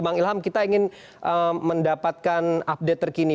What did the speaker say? bang ilham kita ingin mendapatkan update terkini